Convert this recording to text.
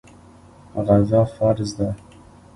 غزا فرض ده.